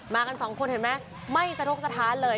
กันสองคนเห็นไหมไม่สะทกสถานเลย